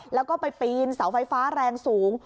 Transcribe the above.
แล้วก็ไปปีนเสาไฟฟ้าแรงสูง